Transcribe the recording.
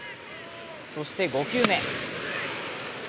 そして５球目。